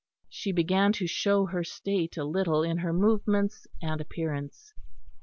She began to show her state a little in her movements and appearance.